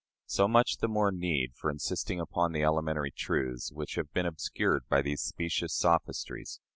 So much the more need for insisting upon the elementary truths which have been obscured by these specious sophistries.